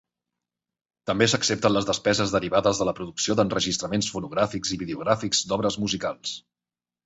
També s'accepten les despeses derivades de la producció d'enregistraments fonogràfics i videogràfics d'obres musicals.